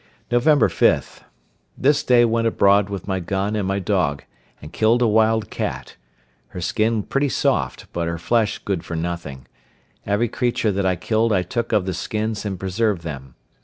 Nov. 5.—This day went abroad with my gun and my dog, and killed a wild cat; her skin pretty soft, but her flesh good for nothing; every creature that I killed I took of the skins and preserved them.